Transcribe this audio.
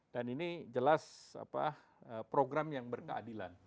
dan ini jelas program yang berkeadilan